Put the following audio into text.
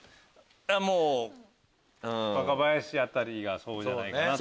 もう若林あたりがそうじゃないかって。